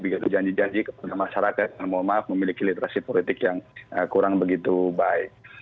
begitu janji janji kepada masyarakat mohon maaf memiliki literasi politik yang kurang begitu baik